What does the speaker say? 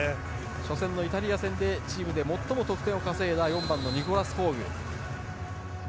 初戦のイタリア戦でチームで最も得点を稼いだ４番のニコラス・ホーグ。